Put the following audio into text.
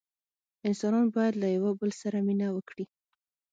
انسانان باید له یوه بل سره مینه وکړي.